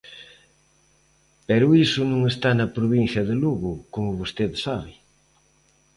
Pero iso non está na provincia de Lugo, como vostede sabe.